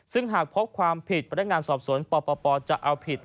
ซึ่งหากพบความผิดพนักงานสอบสวนปปจะเอาผิด